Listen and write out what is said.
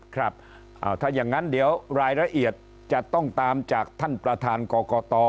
ครับถ้าอย่างนั้นเดี๋ยวรายละเอียดจะต้องตามจากท่านประธานกรกต